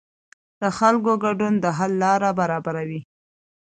د خلکو ګډون د حل لاره برابروي